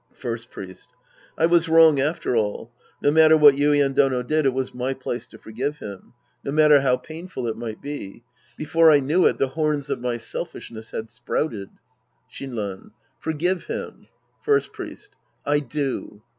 First Priest. I was wrong after all. No matter Sc. II The Priest and His Disciples 203 what Yuien Dono did, it was my place to forgive him. No matter how painful it might be. Before I knew it, the horns of my selfishness had sprouted. Shinran. Forgive him. First Priest. I do.